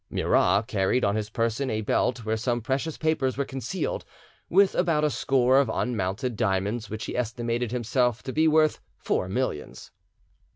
Murat carried on his person a belt where some precious papers were concealed, with about a score of unmounted diamonds, which he estimated himself to be worth four millions.